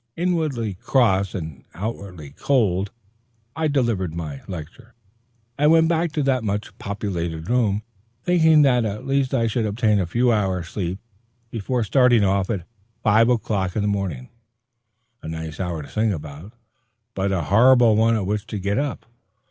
Inwardly cross and outwardly cold, I delivered my lecture, and went back to that much populated room, thinking that at least I should obtain a few hours' sleep before starting off at "five o'clock in the morning," a nice hour to sing about, but a horrible one at which to get up.